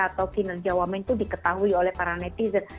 atau kinerja wamen itu diketahui oleh para netizen